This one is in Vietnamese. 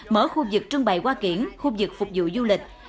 mở khu vực trưng bày hoa kiển khu vực phục vụ du lịch